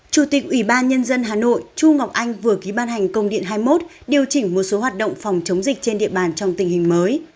chủ tịch ủy ban nhân dân hà nội chu ngọc anh vừa ký ban hành công điện hai mươi một điều chỉnh một số hoạt động phòng chống dịch trên địa bàn trong tình hình mới